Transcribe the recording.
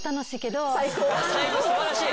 最高素晴らしい。